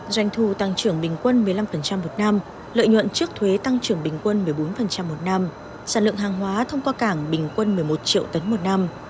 doanh thu tăng trưởng bình quân một mươi năm một năm lợi nhuận trước thuế tăng trưởng bình quân một mươi bốn một năm sản lượng hàng hóa thông qua cảng bình quân một mươi một triệu tấn một năm